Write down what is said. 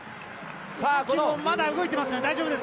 まだ動いてますね、大丈夫です。